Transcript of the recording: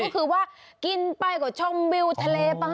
ก็คือว่ากินไปกว่าช้อมมิวทะเลไป